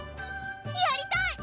やりたい！